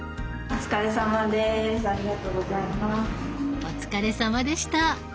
お疲れさまでした。